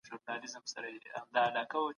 ژوند پخپله يو لوی مکتب دی.